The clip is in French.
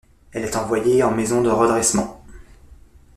Elle est envoyée en maison de redressement.